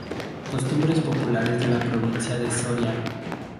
Costumbres populares de la provincia de Soria".